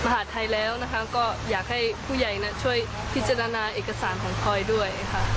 ให้ผู้ใหญ่ช่วยพิจารณาเอกสารของพลอยด้วย